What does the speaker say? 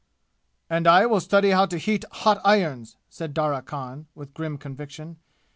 "And I will study how to heat hot irons!" said Darya Khan, with grim conviction.